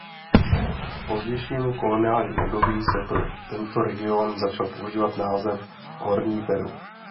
V pozdějším koloniálním období se pro tento region začal používat název „Horní Peru“.